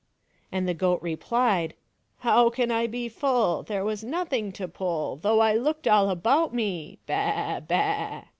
" And the goat replied, " How can I be full ? There was nothing to pull, Though I looked all about me — ba! baa!